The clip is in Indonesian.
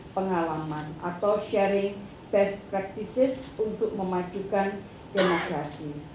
pengalaman atau sharing best practices untuk memajukan demokrasi